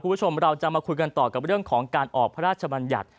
คุณผู้ชมเราจะมาคุยกันต่อกับเรื่องของการออกพระราชบัญญัติ